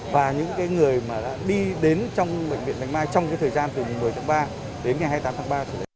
và những người mà đã đi đến trong bệnh viện bạch mai trong thời gian từ một mươi tháng ba đến ngày hai mươi tám tháng ba